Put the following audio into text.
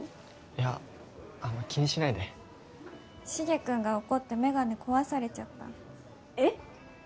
いやあんま気にしないでしげ君が怒ってメガネ壊されちゃったのえっ！？